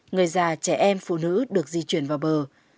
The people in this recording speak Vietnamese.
người già trẻ em phụ nữ được di chuyển vào bờ